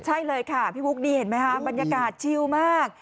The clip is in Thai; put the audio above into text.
ใช่เลยค่ะพี่บุ๊คดีเห็นไหมคะบรรยากาศชิวมาก